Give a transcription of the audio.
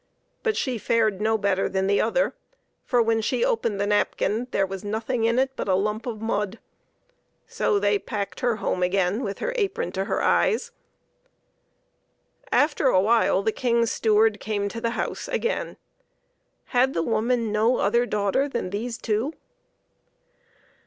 But she fared no better than the other, for, when she opened the napkin, there was nothing in it but a lump of mud. So they packed her home again with her apron to her eyes. After a while the King's steward came to the house again. Had the woman no other daughter than these two